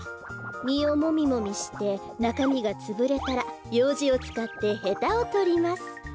みをもみもみしてなかみがつぶれたらようじをつかってヘタをとります。